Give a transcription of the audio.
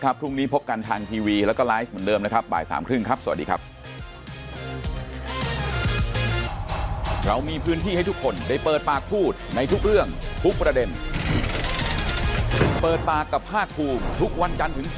วันนี้ขอบคุรทั้งสองท่านนะครับโอกาสหน้าเทียนเชิญมาพูดคุยกันใหม่